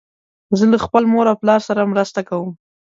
زه له خپل مور او پلار سره مرسته کوم.